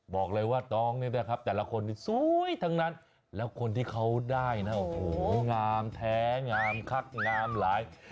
บอกเลยว่าน้องเนี่ยนะครับแต่ละคนนี้สวยทั้งนั้นแล้วคนที่เขาได้นะโอ้โหงามแท้งามคักงามหลาย